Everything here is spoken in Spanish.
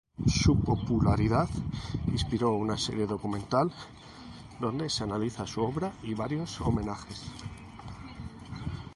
Su popularidad inspiró una serie documental donde se analiza su obra y varios homenajes.